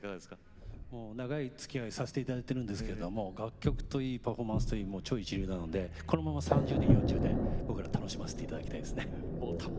長いつきあいをさせていただいていますが楽曲といいパフォーマンスといい超一流なのでこのまま３０年４０年楽しませていただきたいです。